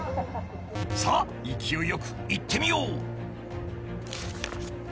［さあ勢いよくいってみよう］